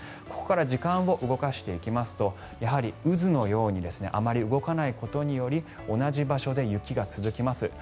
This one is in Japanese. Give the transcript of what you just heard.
ここから時間を動かしていきますとやはり、渦のようにあまり動かないことにより同じ場所で雪が続きます。